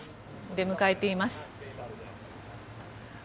出迎えています。